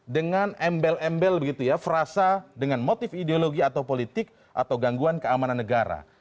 dengan embel embel begitu ya frasa dengan motif ideologi atau politik atau gangguan keamanan negara